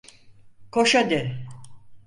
Koş hadi!